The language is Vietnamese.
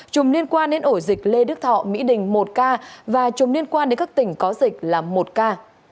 chùm liên quan đến ổ dịch lê đức thọ mỹ đình một ca và chùm liên quan đến các tỉnh có dịch là một ca